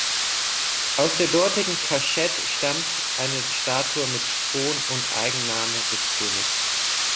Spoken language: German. Aus der dortigen Cachette stammt eine Statue mit Thron- und Eigennamen des Königs.